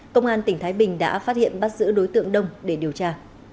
công an tỉnh thái bình đã phát hiện bắt giữ đối tượng đông để điều tra